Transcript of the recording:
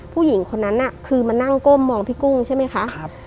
ผู้หญิงคนนั้นน่ะคือมานั่งก้มมองพี่กุ้งใช่ไหมคะ